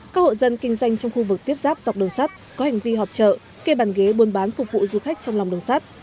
các hộ dân kinh doanh trong khu vực tiếp ráp dọc đường sắt có hành vi họp trợ kê bàn ghế buôn bán phục vụ du khách trong lòng đường sắt